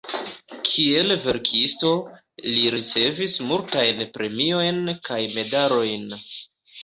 Kiel verkisto, li ricevis multajn premiojn kaj medalojn.